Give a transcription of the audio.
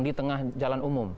di tengah jalan umum